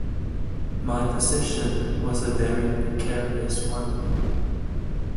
My position was a very precarious one.